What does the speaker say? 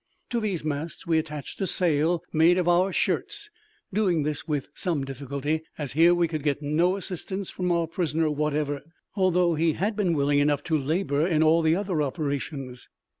To these masts we attached a sail made of our shirts doing this with some difficulty, as here we could get no assistance from our prisoner whatever, although he had been willing enough to labor in all the other operations.